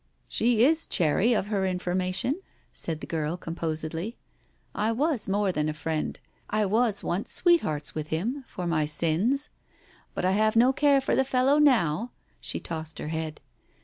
"She is chary of her information," said the girl com posedly. "I was more than friend, I was once sweet hearts with him, for my sins. But I have no care for the fellow now." She tossed her head.